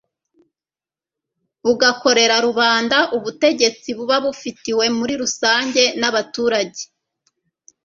bugakorera rubanda. ubutegetsi buba bufitwe muri rusange n'abaturage